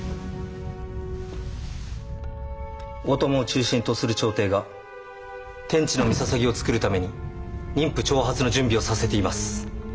大友を中心とする朝廷が天智の山陵を造るために人夫徴発の準備をさせています。